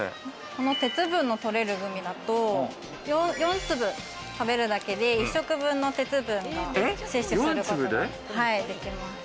この鉄分が摂れるグミだと、４粒食べるだけで、１食分の鉄分を摂取することができます。